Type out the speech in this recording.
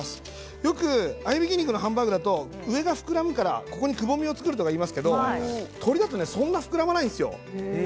よく合いびき肉のハンバーグの上が膨らむからくぼみを作るとかありますが鶏はそんなに膨らまないんですよ。